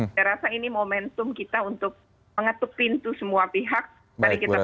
saya rasa ini momentum kita untuk mengetuk pintu semua pihak mari kita bersama